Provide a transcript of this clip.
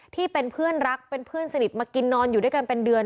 ที่เป็นเพื่อนรักเป็นเพื่อนสนิทมากินนอนอยู่ด้วยกันเป็นเดือน